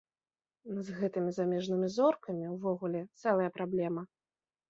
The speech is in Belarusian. З гэтымі замежнымі зоркамі ўвогуле цэлая праблема.